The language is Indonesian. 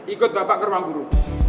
ikut bapak ke ruang guru